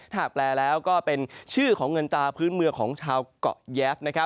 ถ้าแปลแล้วก็เป็นชื่อของเงินตาพื้นเมืองของชาวเกาะแยฟ